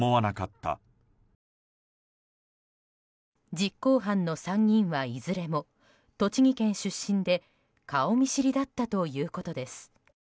実行犯の３人はいずれも栃木県出身で顔見知りだったということです。